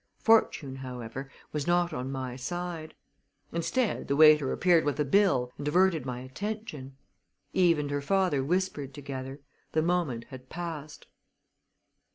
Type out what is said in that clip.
Fortune, however, was not on my side. Instead, the waiter appeared with the bill and diverted my attention. Eve and her father whispered together. The moment had passed.